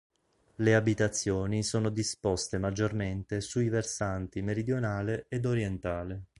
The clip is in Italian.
Le abitazioni sono disposte maggiormente sui versanti meridionale ed orientale.